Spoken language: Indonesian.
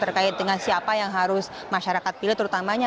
terkait dengan siapa yang harus masyarakat pilih terutamanya